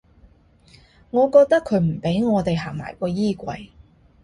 我覺得佢唔畀我地行埋個衣櫃